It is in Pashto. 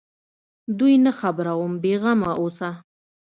دوى نه خبروم بې غمه اوسه.